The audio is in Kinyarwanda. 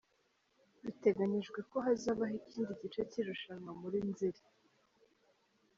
Biteganyijwe ko hazabaho ikindi gice cy’irushanwa muri Nzeri.